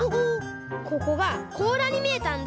ここがこうらにみえたんだ。